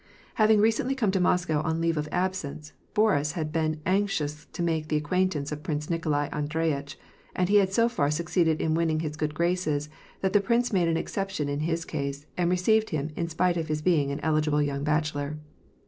Having recently come to Moscow^ on leave of absence, Boris had been anxious to make the acquaintance of Prince Nikolai Andreyitch, and he had so far succeeded in winning his good graces that the prince made an exception in his case, and received him in spite of his being an eligible young bachelor.